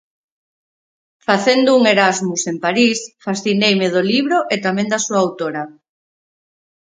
Facendo un 'Erasmus' en París, fascineime do libro e tamén da súa autora.